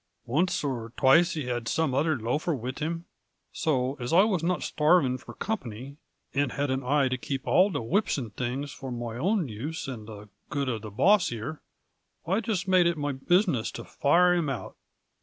Once or twice he had some other loafer with him, so, as I was not shtarving for company, and had an eye to keeping all the whips and things for my own use and the good of the boss here, I jist made it my business to fire him out.